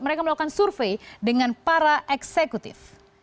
mereka melakukan survei dengan para eksekutif